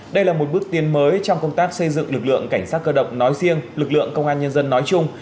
đây là một bước tiến mới trong công tác xây dựng lực lượng cảnh sát cơ động nói riêng lực lượng công an nhân dân nói chung